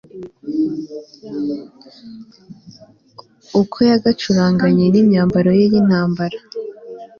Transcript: uko yagacurangukanye n'imyambaro ye y'intambara